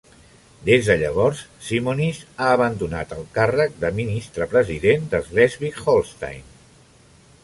Des de llavors, Simonis ha abandonat el càrrec de ministre president de Schleswig-Holstein.